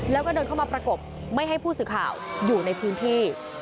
แล้วก็เดินเข้ามาประกบไม่ให้ผู้สื่อข่าวอยู่ในพื้นที่